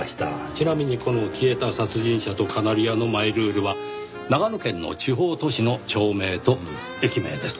ちなみにこの『消えた殺人者とカナリア』のマイルールは長野県の地方都市の町名と駅名です。